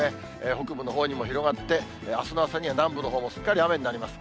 北部のほうにも広がって、あすの朝には南部のほうもすっかり雨になります。